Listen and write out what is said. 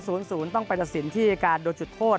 ศูนย์ต้องไปตัดสินที่การโดนจุดโทษ